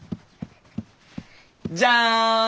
じゃん！